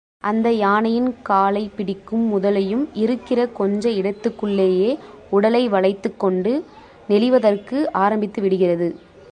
அந்த யானையின் காலைப் பிடிக்கும் முதலையும், இருக்கிற கொஞ்ச இடத்துக்குள்ளேயே உடலை வளைத்துக் கொண்டு நெளிவதற்கு ஆரம்பித்து விடுகிறது.